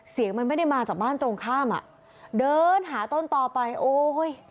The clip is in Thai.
เสียงมันไม่ได้มาจากบ้านตรงข้ามอ่ะเดินหาต้นต่อไปโอ้ย